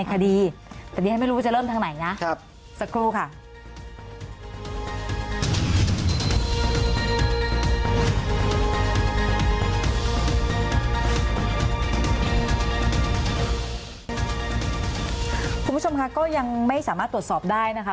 คุณผู้ชมค่ะก็ยังไม่สามารถตรวจสอบได้นะคะ